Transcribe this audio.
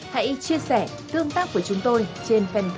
hãy chia sẻ tương tác với chúng tôi trên fanpage truyền hình công an nhân dân